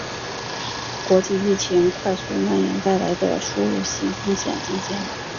国际疫情快速蔓延带来的输入性风险增加